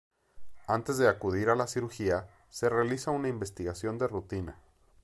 Antes de acudir a la cirugía se realiza una investigación de rutina.